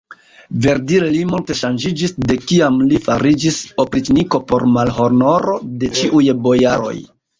Verdire li multe ŝanĝiĝis, de kiam li fariĝis opriĉniko por malhonoro de ĉiuj bojaroj.